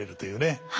はい。